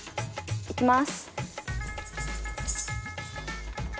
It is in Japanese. いきます。